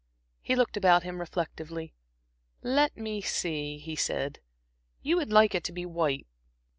He looked about him reflectively. "Let me see," he said. "You would like it to be white."